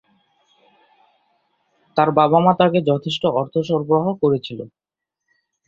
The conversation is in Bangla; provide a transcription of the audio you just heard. তাঁর বাবা-মা তাকে যথেষ্ট অর্থ সরবরাহ করেছিল।